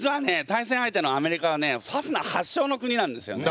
対戦相手のアメリカはねファスナー発祥の国なんですよね。